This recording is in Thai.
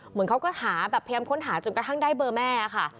เหมือนเขาก็หาแบบพยายามค้นหาจนกระทั่งได้เบอร์แม่ค่ะ